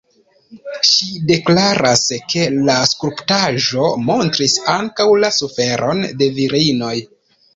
Ŝi deklaras ke la skulptaĵo montris ankaŭ la suferon de virinoj.